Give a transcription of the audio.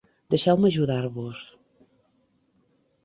Deixeu-me ajudar-vos.